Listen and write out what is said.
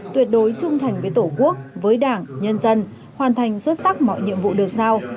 tuyệt đối trung thành với tổ quốc với đảng nhân dân hoàn thành xuất sắc mọi nhiệm vụ được giao